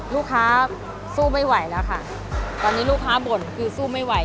ลูกค้าสู้ไม่ไหวแล้วค่ะตอนนี้ลูกค้าบ่นคือสู้ไม่ไหว